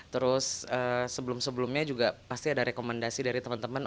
terus sebelum sebelumnya juga pasti ada rekomendasi dari teman teman